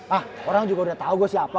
hah orang juga udah tau gue siapa